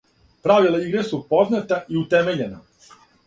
Правила игре су позната и утемељена.